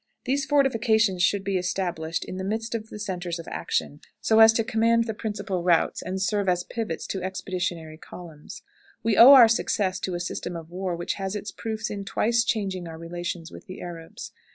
"These fortifications should be established in the midst of the centres of action, so as to command the principal routes, and serve as pivots to expeditionary columns. "We owe our success to a system of war which has its proofs in twice changing our relations with the Arabs.